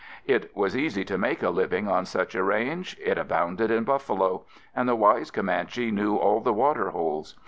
It was easy to make a living on such a range. It abounded in buffalo; and the wise Comanche knew all the water holes.